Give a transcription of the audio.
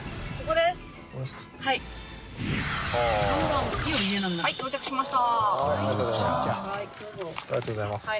ありがとうございます。